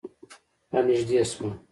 رانږدې شوه.